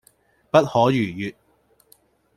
不可逾越